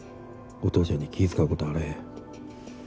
お父ちゃんに気ぃ遣うことあれへん。